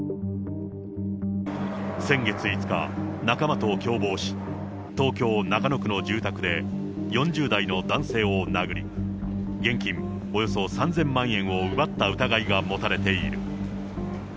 先月５日、仲間と共謀し、東京・中野区の住宅で４０代の男性を殴り、現金およそ３０００万円を奪った疑いが持たれている。